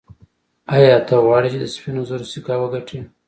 ایا ته غواړې چې د سپینو زرو سکه وګټې.